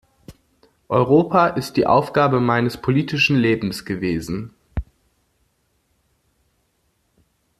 Europa ist die Aufgabe meines politischen Lebens gewesen.